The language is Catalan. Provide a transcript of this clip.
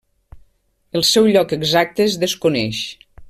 El seu lloc exacte es desconeix.